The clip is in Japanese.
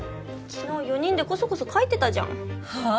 昨日４人でコソコソ書いてたじゃんはあ！？